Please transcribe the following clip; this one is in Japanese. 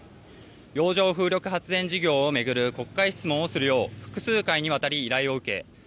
洋上風力発電事業を巡る国会質問をするよう複数回にわたり依頼を受け